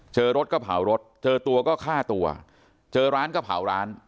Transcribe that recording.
เจอรถก็เผารถเจอตัวก็ฆ่าตัวเจอร้านก็เผาร้าน